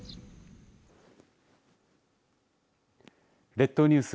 列島ニュース